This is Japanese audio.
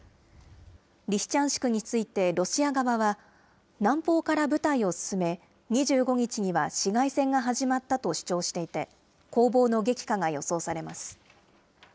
リシチャンシクについてロシア側は、南方から部隊を進め、２５日には市街戦が始まったと主張していて、攻防の激化が予想されます。